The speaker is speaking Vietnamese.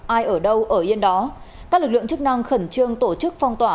ai ở đâu ở yên đó các lực lượng chức năng khẩn trương tổ chức phong tỏa